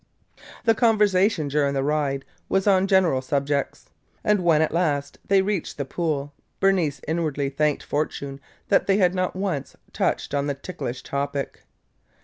The conversation during the ride was on general subjects, and when at last they reached the pool Bernice inwardly thanked fortune that they had not once touched on the ticklish topic.